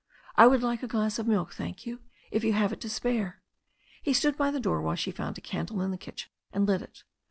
"I would like a glass of milk, thank you, if you have it to spare." He stood by the door while she found a candle in the kitchen and lit it.